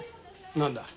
何だ？